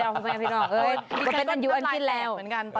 ก็เป็นอันอยู่อันที่แล้ว